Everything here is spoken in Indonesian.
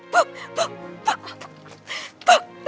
puk puk puk